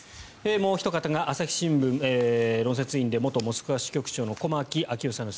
もうおひと方が朝日新聞論説委員で元モスクワ支局長の駒木明義さんです。